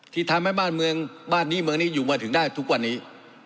ที่ทำให้บ้านนี้อยู่มาถึงได้ทุกวันนี้